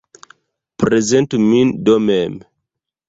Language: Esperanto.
Prezentu min do mem!